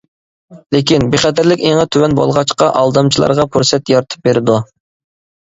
لېكىن، بىخەتەرلىك ئېڭى تۆۋەن بولغاچقا، ئالدامچىلارغا پۇرسەت يارىتىپ بېرىدۇ.